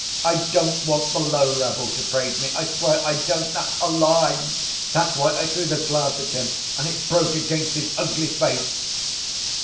"I don't want the low rabble to praise me, I swear I don't! That's a lie! That's why I threw the glass at him and it broke against his ugly face."